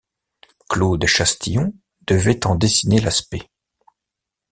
Claude Chastillon devait en dessiner l'aspect.